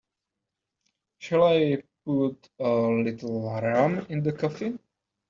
Shall I put a little rum in the coffee?